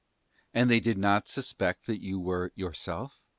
"And did they not suspect that you were yourself?"